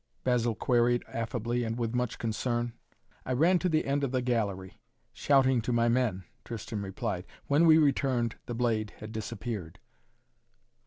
Basil queried affably and with much concern. "I ran to the end of the gallery, shouting to my men," Tristan replied. "When we returned the blade had disappeared."